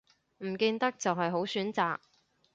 唔見得就係好選擇